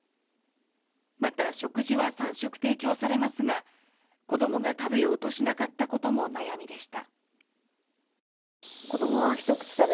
また、食事は３食提供されますが、子供が食べようとしなかったことも悩みでした。